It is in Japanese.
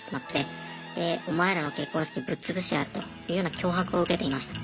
でお前らの結婚式ぶっつぶしてやるというような脅迫を受けていました。